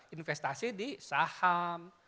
investasi di saham